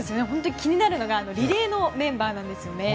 気になるのがリレーのメンバーですね。